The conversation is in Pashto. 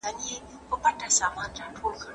مال د الله تعالی امانت دی.